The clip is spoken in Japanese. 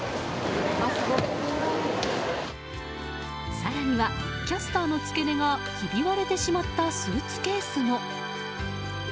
更には、キャスターの付け根がひび割れてしまったスーツケースも。